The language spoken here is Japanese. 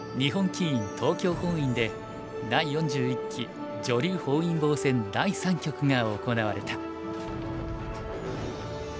東京本院で第４１期女流本因坊戦第三局が行われた。